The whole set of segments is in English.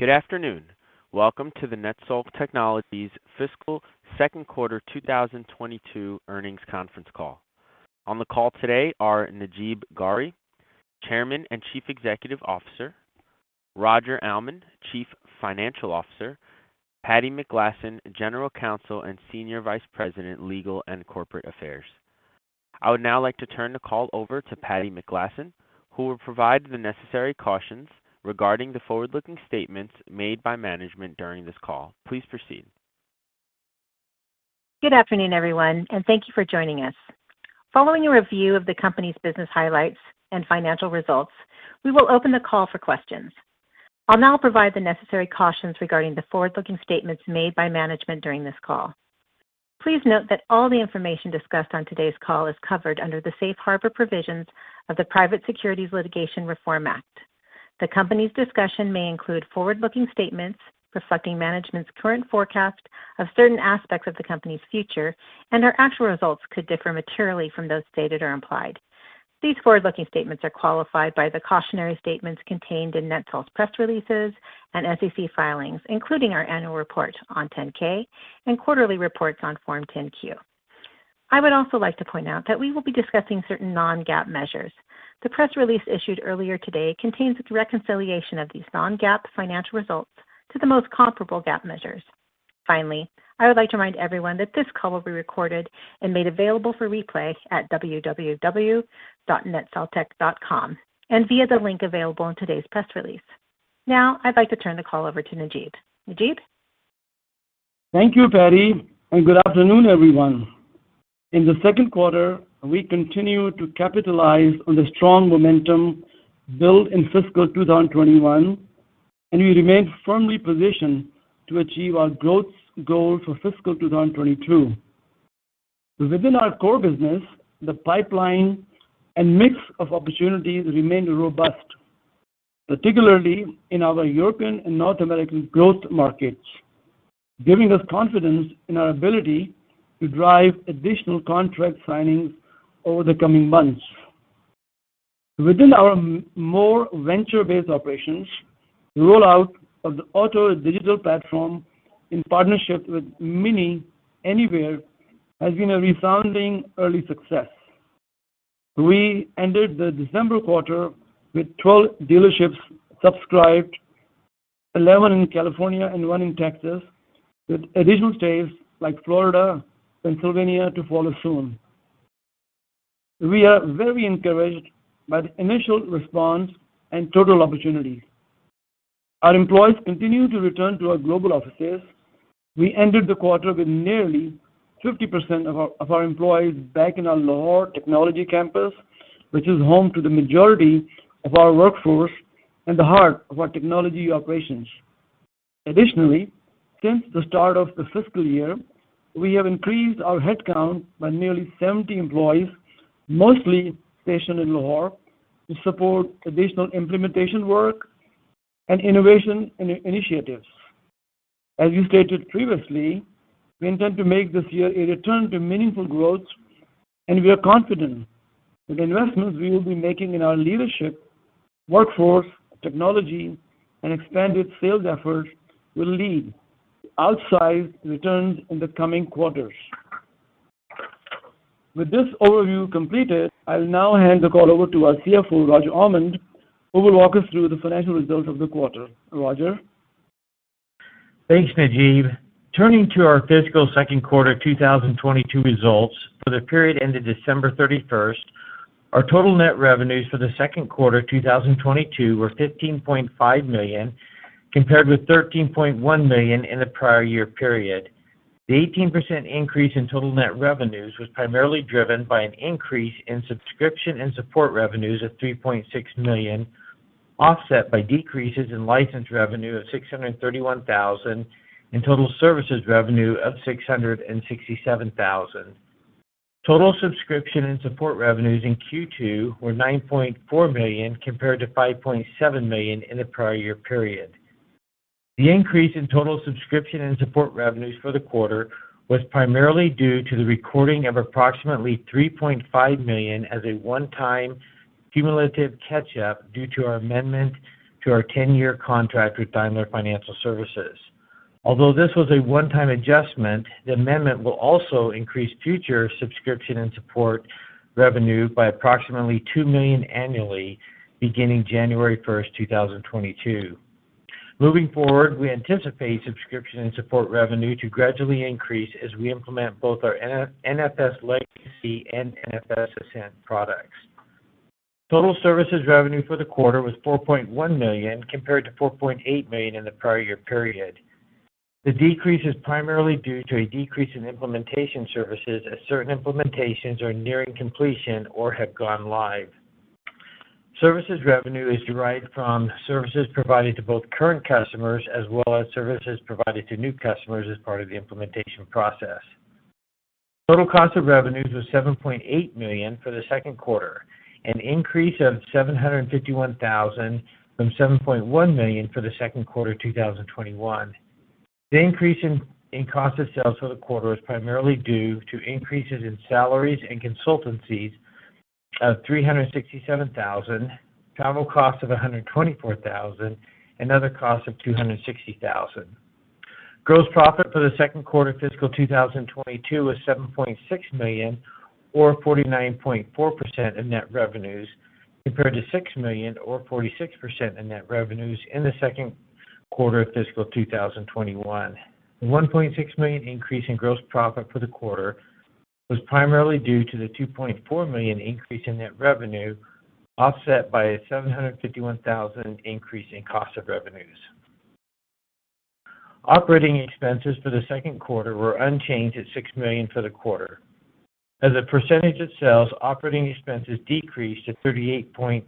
Good afternoon. Welcome to the NetSol Technologies Fiscal Second Quarter 2022 Earnings Conference Call. On the call today are Najeeb Ghauri, Chairman and Chief Executive Officer, Roger Almond, Chief Financial Officer, Patti McGlasson, General Counsel and Senior Vice President, Legal and Corporate Affairs. I would now like to turn the call over to Patti McGlasson, who will provide the necessary cautions regarding the forward-looking statements made by management during this call. Please proceed. Good afternoon, everyone, and thank you for joining us. Following a review of the company's business highlights and financial results, we will open the call for questions. I'll now provide the necessary cautions regarding the forward-looking statements made by management during this call. Please note that all the information discussed on today's call is covered under the safe harbor provisions of the Private Securities Litigation Reform Act. The company's discussion may include forward-looking statements reflecting management's current forecast of certain aspects of the company's future, and our actual results could differ materially from those stated or implied. These forward-looking statements are qualified by the cautionary statements contained in NetSol's press releases and SEC filings, including our annual report on 10-K and quarterly reports on Form 10-Q. I would also like to point out that we will be discussing certain non-GAAP measures. The press release issued earlier today contains the reconciliation of these non-GAAP financial results to the most comparable GAAP measures. Finally, I would like to remind everyone that this call will be recorded and made available for replay at www.netsoltech.com and via the link available in today's press release. Now, I'd like to turn the call over to Najeeb. Najeeb? Thank you, Patti, and good afternoon, everyone. In the second quarter, we continued to capitalize on the strong momentum built in fiscal 2021, and we remain firmly positioned to achieve our growth goal for fiscal 2022. Within our core business, the pipeline and mix of opportunities remained robust, particularly in our European and North American growth markets, giving us confidence in our ability to drive additional contract signings over the coming months. Within our Otoz venture-based operations, rollout of the Otoz digital platform in partnership with MINI Anywhere has been a resounding early success. We ended the December quarter with 12 dealerships subscribed, 11 in California and one in Texas, with additional states like Florida, Pennsylvania to follow soon. We are very encouraged by the initial response and total opportunity. Our employees continue to return to our global offices. We ended the quarter with nearly 50% of our employees back in our Lahore technology campus, which is home to the majority of our workforce and the heart of our technology operations. Additionally, since the start of the fiscal year, we have increased our headcount by nearly 70 employees, mostly stationed in Lahore, to support additional implementation work and innovation initiatives. As you stated previously, we intend to make this year a return to meaningful growth, and we are confident that the investments we will be making in our leadership, workforce, technology, and expanded sales efforts will lead to outsized returns in the coming quarters. With this overview completed, I'll now hand the call over to our CFO, Roger Almond, who will walk us through the financial results of the quarter. Roger? Thanks, Najeeb. Turning to our fiscal second quarter 2022 results for the period ended December 31, our total net revenues for the second quarter 2022 were $15.5 million, compared with $13.1 million in the prior year period. The 18% increase in total net revenues was primarily driven by an increase in subscription and support revenues of $3.6 million, offset by decreases in license revenue of $631 thousand and total services revenue of $667 thousand. Total subscription and support revenues in Q2 were $9.4 million compared to $5.7 million in the prior year period. The increase in total subscription and support revenues for the quarter was primarily due to the recording of approximately $3.5 million as a one-time cumulative catch-up due to our amendment to our ten-year contract with Daimler Financial Services. Although this was a one-time adjustment, the amendment will also increase future subscription and support revenue by approximately $2 million annually beginning January 1, 2022. Moving forward, we anticipate subscription and support revenue to gradually increase as we implement both our NFS Legacy and NFS Ascent products. Total services revenue for the quarter was $4.1 million, compared to $4.8 million in the prior year period. The decrease is primarily due to a decrease in implementation services as certain implementations are nearing completion or have gone live. Services revenue is derived from services provided to both current customers as well as services provided to new customers as part of the implementation process. Total cost of revenues was $7.8 million for the second quarter, an increase of $751,000 from $7.1 million for the second quarter 2021. The increase in cost of sales for the quarter was primarily due to increases in salaries and consultancies of $367,000, travel costs of $124,000, and other costs of $260,000. Gross profit for the second quarter fiscal 2022 was $7.6 million or 49.4% of net revenues, compared to $6 million or 46% of net revenues in the second quarter of fiscal 2021. The $1.6 million increase in gross profit for the quarter was primarily due to the $2.4 million increase in net revenue, offset by a $751,000 increase in cost of revenues. Operating expenses for the second quarter were unchanged at $6 million for the quarter. As a percentage of sales, operating expenses decreased to 38.7%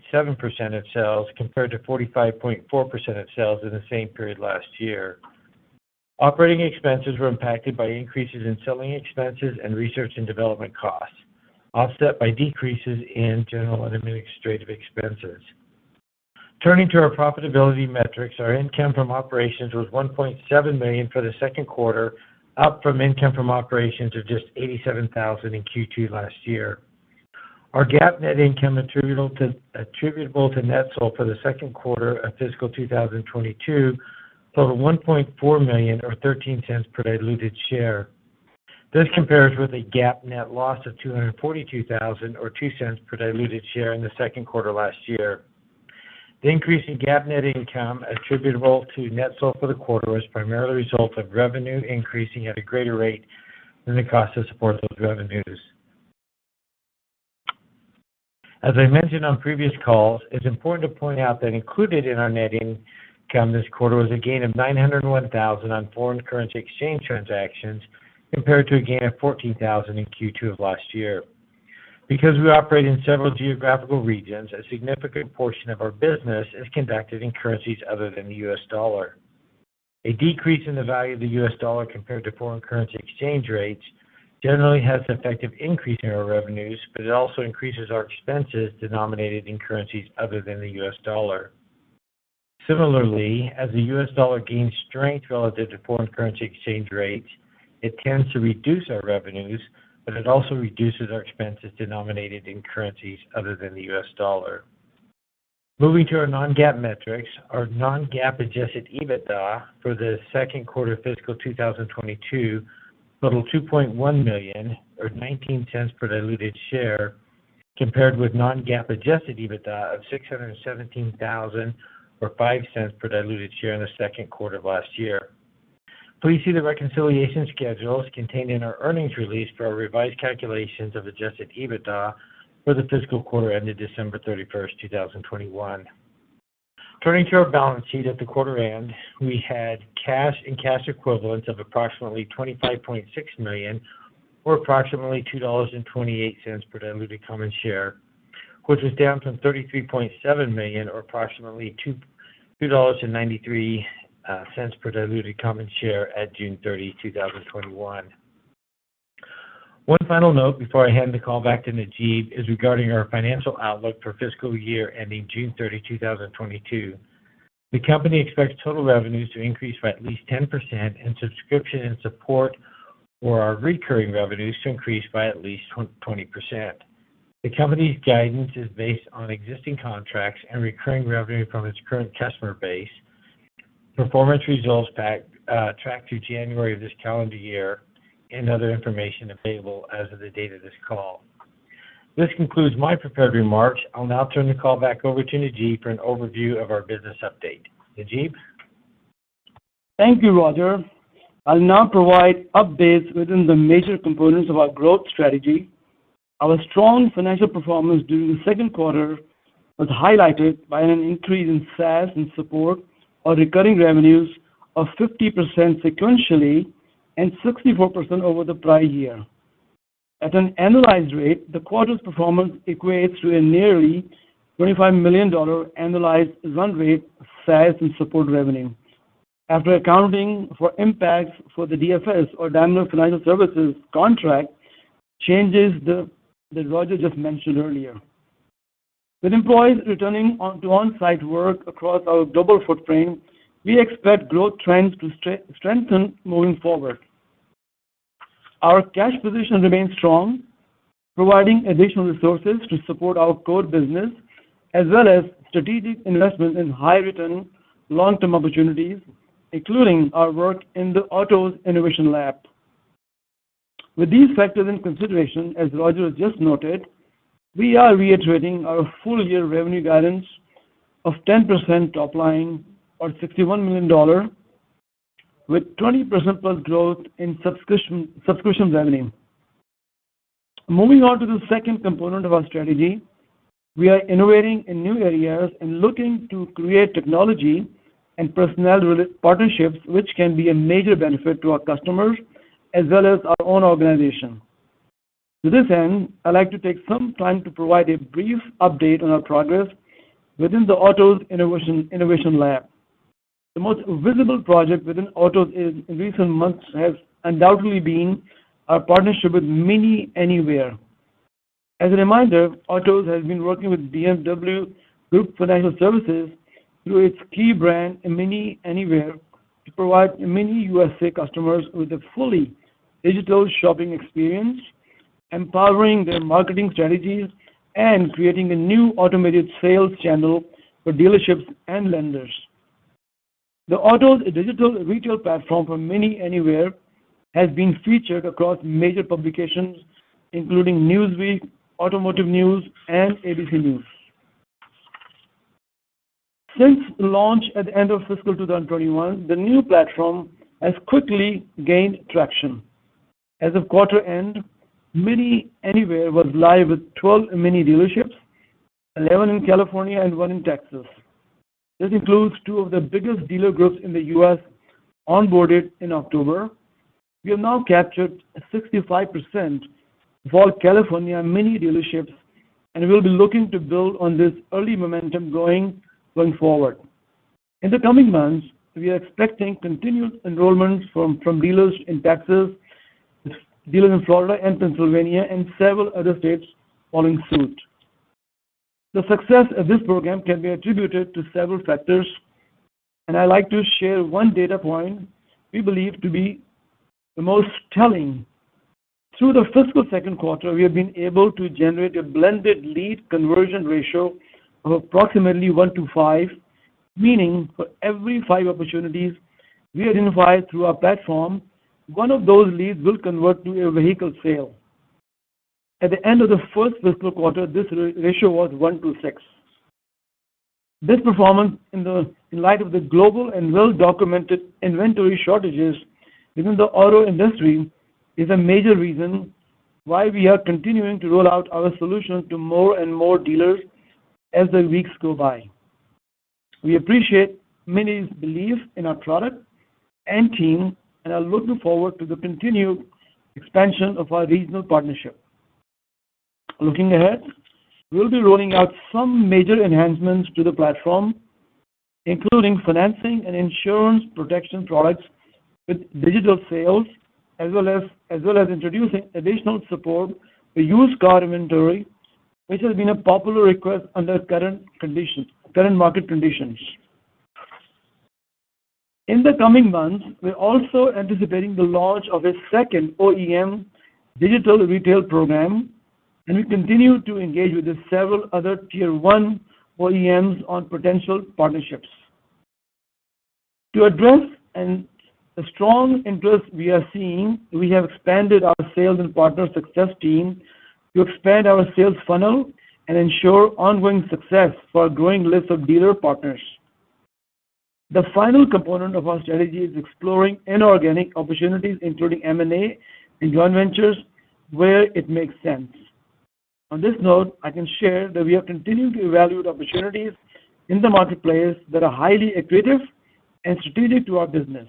of sales compared to 45.4% of sales in the same period last year. Operating expenses were impacted by increases in selling expenses and research and development costs, offset by decreases in general and administrative expenses. Turning to our profitability metrics, our income from operations was $1.7 million for the second quarter, up from income from operations of just $87,000 in Q2 last year. Our GAAP net income attributable to NetSol for the second quarter of fiscal 2022 totaled $1.4 million or $0.13 per diluted share. This compares with a GAAP net loss of $242,000 or $0.02 per diluted share in the second quarter last year. The increase in GAAP net income attributable to NetSol for the quarter was primarily a result of revenue increasing at a greater rate than the cost to support those revenues. As I mentioned on previous calls, it's important to point out that included in our net income this quarter was a gain of $901,000 on foreign currency exchange transactions, compared to a gain of $14,000 in Q2 of last year. Because we operate in several geographical regions, a significant portion of our business is conducted in currencies other than the U.S. dollar. A decrease in the value of the U.S. dollar compared to foreign currency exchange rates generally has the effect of increasing our revenues, but it also increases our expenses denominated in currencies other than the U.S. dollar. Similarly, as the U.S. dollar gains strength relative to foreign currency exchange rates, it tends to reduce our revenues, but it also reduces our expenses denominated in currencies other than the U.S. dollar. Moving to our non-GAAP metrics, our non-GAAP adjusted EBITDA for the second quarter fiscal 2022 totaled $2.1 million or $0.19 per diluted share, compared with non-GAAP adjusted EBITDA of $617,000 or $0.05 per diluted share in the second quarter of last year. Please see the reconciliation schedules contained in our earnings release for our revised calculations of adjusted EBITDA for the fiscal quarter ended December 31, 2021. Turning to our balance sheet at the quarter end, we had cash and cash equivalents of approximately $25.6 million or approximately $2.28 per diluted common share, which was down from $33.7 million or approximately $2.93 per diluted common share at June 30, 2021. One final note before I hand the call back to Najeeb is regarding our financial outlook for fiscal year ending June 30, 2022. The company expects total revenues to increase by at least 10%, and subscription and support or our recurring revenues to increase by at least 20%. The company's guidance is based on existing contracts and recurring revenue from its current customer base, performance results back on track through January of this calendar year, and other information available as of the date of this call. This concludes my prepared remarks. I'll now turn the call back over to Najeeb for an overview of our business update. Najeeb? Thank you, Roger. I'll now provide updates within the major components of our growth strategy. Our strong financial performance during the second quarter was highlighted by an increase in SaaS and support or recurring revenues of 50% sequentially and 64% over the prior year. At an annualized rate, the quarter's performance equates to a nearly $25 million annualized run rate of SaaS and support revenue. After accounting for impacts for the Daimler Financial Services contract changes that Roger just mentioned earlier. With employees returning to on-site work across our global footprint, we expect growth trends to strengthen moving forward. Our cash position remains strong, providing additional resources to support our core business as well as strategic investments in high return long-term opportunities, including our work in the Otoz Innovation Lab. With these factors in consideration, as Roger just noted, we are reiterating our full-year revenue guidance of 10% top line or $61 million, with 20%+ growth in subscription revenue. Moving on to the second component of our strategy. We are innovating in new areas and looking to create technology and personnel partnerships which can be a major benefit to our customers as well as our own organization. To this end, I'd like to take some time to provide a brief update on our progress within the Otoz Innovation Lab. The most visible project within Otoz in recent months has undoubtedly been our partnership with MINI Anywhere. As a reminder, Otoz has been working with BMW Group Financial Services through its key brand, MINI Anywhere, to provide MINI USA customers with a fully digital shopping experience, empowering their marketing strategies and creating a new automated sales channel for dealerships and lenders. The Otoz digital retail platform for MINI Anywhere has been featured across major publications including Newsweek, Automotive News, and ABC News. Since launch at the end of fiscal 2021, the new platform has quickly gained traction. As of quarter end, MINI Anywhere was live with 12 MINI dealerships, 11 in California and one in Texas. This includes two of the biggest dealer groups in the U.S. onboarded in October. We have now captured 65% of all California MINI dealerships, and we'll be looking to build on this early momentum going forward. In the coming months, we are expecting continued enrollment from dealers in Texas, dealers in Florida and Pennsylvania, and several other states following suit. The success of this program can be attributed to several factors, and I like to share one data point we believe to be the most telling. Through the fiscal second quarter, we have been able to generate a blended lead conversion ratio of approximately 1:5. Meaning for every five opportunities we identify through our platform, one of those leads will convert to a vehicle sale. At the end of the first fiscal quarter, this ratio was 1:6. This performance in light of the global and well-documented inventory shortages within the auto industry is a major reason why we are continuing to roll out our solution to more and more dealers as the weeks go by. We appreciate MINI's belief in our product and team, and are looking forward to the continued expansion of our regional partnership. Looking ahead, we'll be rolling out some major enhancements to the platform, including financing and insurance protection products with digital sales, as well as introducing additional support for used car inventory, which has been a popular request under current market conditions. In the coming months, we're also anticipating the launch of a second OEM digital retail program, and we continue to engage with several other tier one OEMs on potential partnerships. To address the strong interest we are seeing, we have expanded our sales and partner success team to expand our sales funnel and ensure ongoing success for our growing list of dealer partners. The final component of our strategy is exploring inorganic opportunities, including M&A and joint ventures where it makes sense. On this note, I can share that we are continuing to evaluate opportunities in the marketplace that are highly accretive and strategic to our business.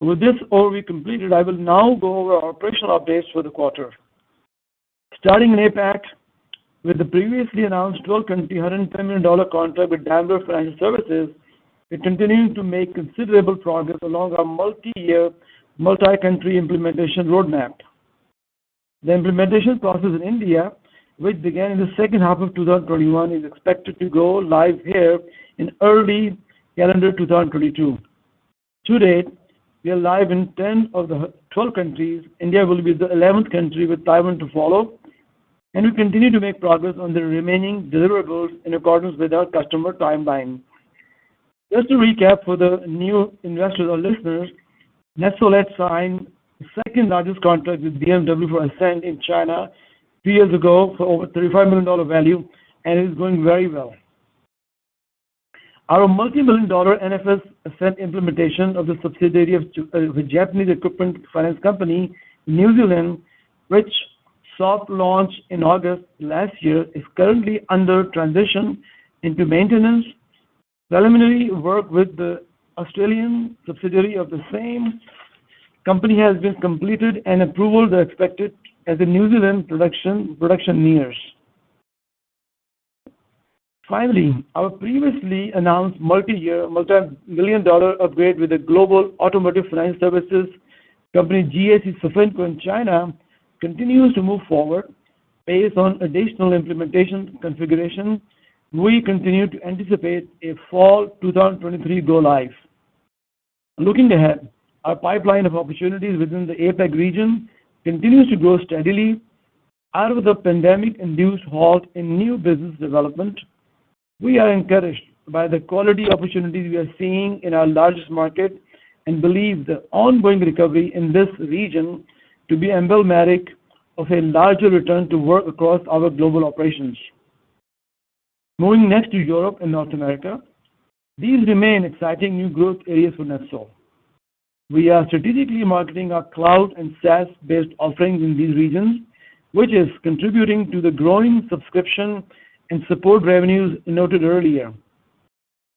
With this overview completed, I will now go over our operational updates for the quarter. Starting in APAC with the previously announced 12-country, $110 million contract with Daimler Financial Services, we're continuing to make considerable progress along our multi-year, multi-country implementation roadmap. The implementation process in India, which began in the second half of 2021, is expected to go live here in early calendar 2022. To date, we are live in 10 of the 12 countries. India will be the 11th country, with Taiwan to follow. We continue to make progress on the remaining deliverables in accordance with our customer timeline. Just to recap for the new investors or listeners, NetSol had signed the second-largest contract with BMW for NFS Ascent in China two years ago for over $35 million dollar value, and it is going very well. Our multimillion-dollar NFS Ascent implementation of the subsidiary of the Japanese Equipment Finance Company in New Zealand, which soft launched in August last year, is currently under transition into maintenance. Preliminary work with the Australian subsidiary of the same company has been completed and approvals are expected as the New Zealand production nears. Finally, our previously announced multi-year, multi-million-dollar upgrade with the global automotive finance services company GAC-Sofinco in China continues to move forward based on additional implementation configuration. We continue to anticipate a fall 2023 go live. Looking ahead, our pipeline of opportunities within the APAC region continues to grow steadily out of the pandemic-induced halt in new business development. We are encouraged by the quality opportunities we are seeing in our largest market and believe the ongoing recovery in this region to be emblematic of a larger return to work across our global operations. Moving next to Europe and North America, these remain exciting new growth areas for NetSol. We are strategically marketing our cloud and SaaS-based offerings in these regions, which is contributing to the growing subscription and support revenues noted earlier.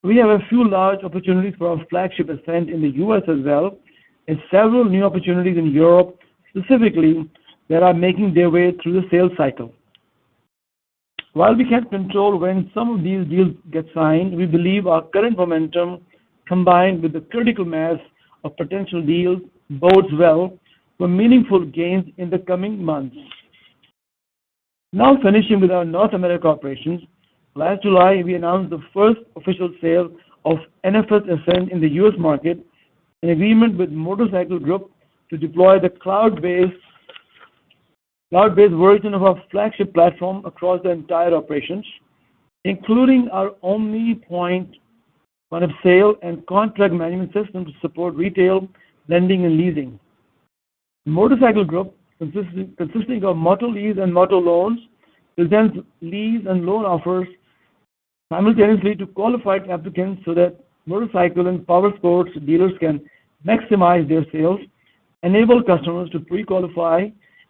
We have a few large opportunities for our flagship NFS Ascent in the U.S. as well, and several new opportunities in Europe specifically that are making their way through the sales cycle. While we can't control when some of these deals get signed, we believe our current momentum, combined with the critical mass of potential deals, bodes well for meaningful gains in the coming months. Now finishing with our North America operations. Last July, we announced the first official sale of NFS Ascent in the U.S. market, an agreement with Motorcycle Group to deploy the cloud-based version of our flagship platform across the entire operations, including our Otoz point of sale and contract management system to support retail, lending, and leasing. Motorcycle Group, consisting of MotoLease and MotoLoan, presents lease and loan offers simultaneously to qualified applicants so that motorcycle and powersports dealers can maximize their sales, enable customers to pre-qualify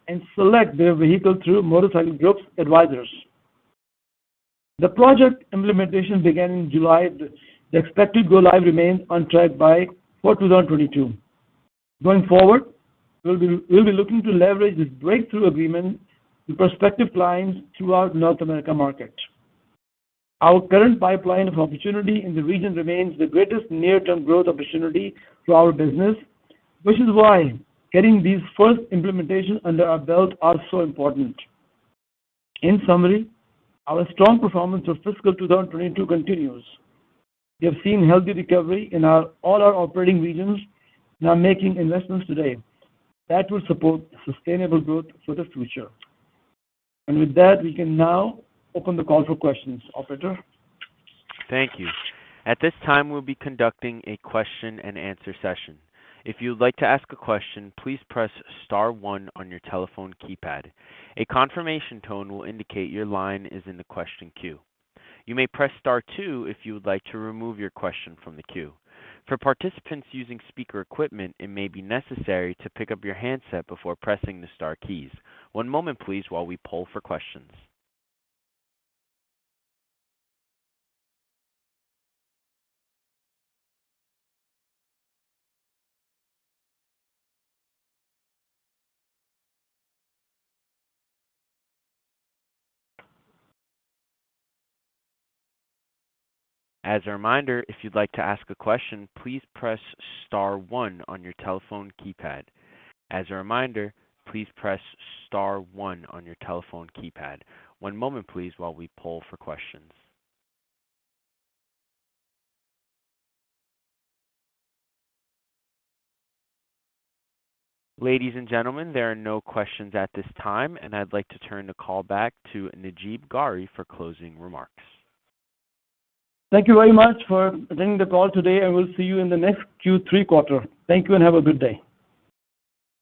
and select their vehicle through Motorcycle Group's advisors. The project implementation began in July. The expected go live remains on track by Q4 2022. Going forward, we'll be looking to leverage this breakthrough agreement with prospective clients throughout North American market. Our current pipeline of opportunity in the region remains the greatest near-term growth opportunity for our business, which is why getting these first implementations under our belt are so important. In summary, our strong performance of fiscal 2022 continues. We have seen healthy recovery in all our operating regions, now making investments today that will support sustainable growth for the future. With that, we can now open the call for questions. Operator? Thank you. At this time, we'll be conducting a question-and-answer session. If you'd like to ask a question, please press star one on your telephone keypad. A confirmation tone will indicate your line is in the question queue. You may press star two if you would like to remove your question from the queue. For participants using speaker equipment, it may be necessary to pick up your handset before pressing the star keys. One moment please while we poll for questions. As a reminder, if you'd like to ask a question, please press star one on your telephone keypad. As a reminder, please press star one on your telephone keypad. One moment, please, while we poll for questions. Ladies and gentlemen, there are no questions at this time, and I'd like to turn the call back to Najeeb Ghauri for closing remarks. Thank you very much for attending the call today. I will see you in the next Q3 quarter. Thank you, and have a good day.